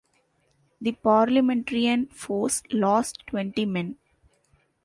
The Parliamentarian force lost twenty men.